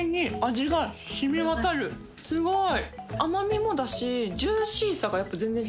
すごい！